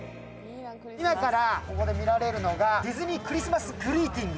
今から見られるのがディズニー・クリスマス・グリーティング。